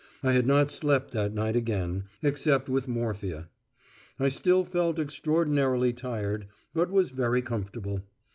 I had not slept that night again, except with morphia. I still felt extraordinarily tired, but was very comfortable.